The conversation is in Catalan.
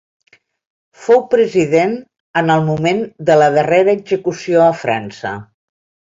Fou president en el moment de la darrera execució a França.